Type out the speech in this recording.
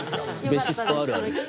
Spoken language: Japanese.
ベーシストあるあるです。